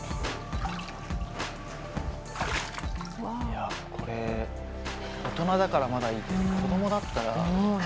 いやこれ大人だからまだいいけど子どもだったら。